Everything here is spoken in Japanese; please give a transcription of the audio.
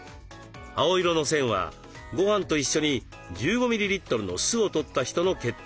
青色の線はごはんと一緒に１５ミリリットルの酢をとった人の血糖値。